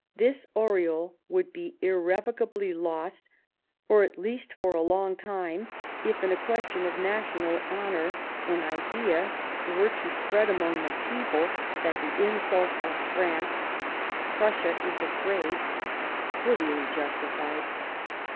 "This aureole would be irrevocably lost, or at least for a long time, if, in a question of national honour, an idea were to 127 Bismarck spread among the people that the insult of France, ' Prussia is afraid,' were really justified."